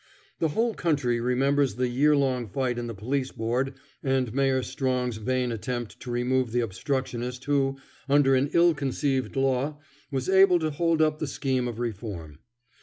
The whole country remembers the yearlong fight in the Police Board and Mayor Strong's vain attempt to remove the obstructionist who, under an ill conceived law, was able to hold up the scheme of reform.